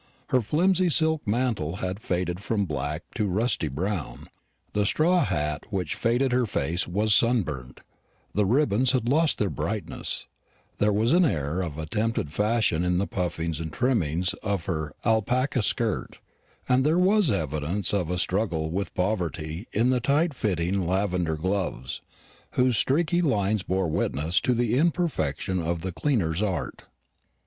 Her flimsy silk mantle had faded from black to rusty brown; the straw hat which shaded her face was sunburnt; the ribbons had lost their brightness; but there was an air of attempted fashion in the puffings and trimmings of her alpaca skirt; and there was evidence of a struggle with poverty in the tight fitting lavender gloves, whose streaky lines bore witness to the imperfection of the cleaner's art.